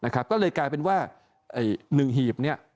ก็เลยกลายเป็นว่า๑หีบนี้